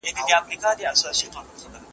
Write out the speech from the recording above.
تعصب د کرکې تخم شیندي